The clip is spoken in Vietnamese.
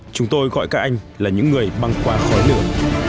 chúng tôi gọi các anh là những người băng qua khói lửa